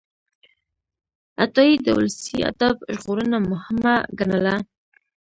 عطایي د ولسي ادب ژغورنه مهمه ګڼله.